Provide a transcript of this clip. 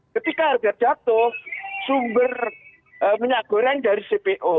ketika harga jatuh sumber minyak goreng dari cpo